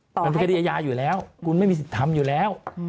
เป็นปริกฎิยายาอยู่แล้วคุณไม่มีสิทธิ์ทำอยู่แล้ว